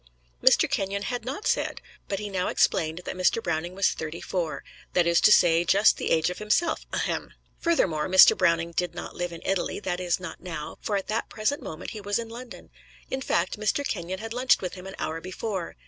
Mr. Kenyon had not said; but he now explained that Mr. Browning was thirty four, that is to say, just the age of himself, ahem! Furthermore, Mr. Browning did not live in Italy that is, not now, for at that present moment he was in London. In fact, Mr. Kenyon had lunched with him an hour before.